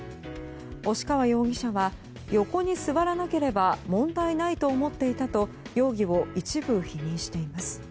押川容疑者は横に座らなければ問題ないと思っていたと容疑を一部否認しています。